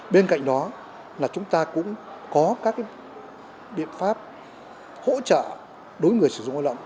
bên cạnh đó là chúng ta cũng có các biện pháp hỗ trợ đối với người sử dụng lao động